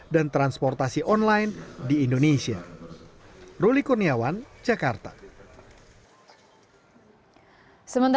dan transportasi online di indonesia